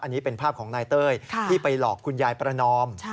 อันนี้เป็นภาพของนายเต้ยที่ไปหลอกคุณยายประนอม